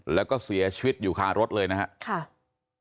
แล้วก็เสียชีวิตอยู่คารถเลยนะครับ